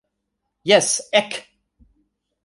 Jes, ek!